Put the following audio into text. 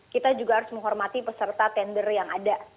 kita juga harus menghormati peserta tender yang ada